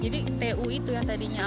jadi tu itu yang tadinya